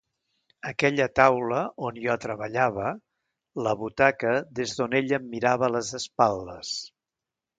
Aquella taula on jo treballava, la butaca des d’on ella em mirava les espatles.